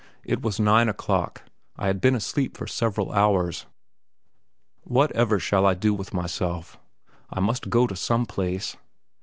It was nine o'clock; I had been asleep for several hours. Whatever shall I do with myself? I must go to some place.